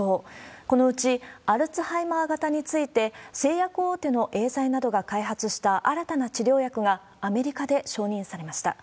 このうち、アルツハイマー型について、製薬大手のエーザイなどが開発した新たな治療薬がアメリカで承認されました。